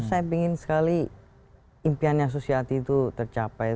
saya ingin sekali impiannya susiati itu tercapai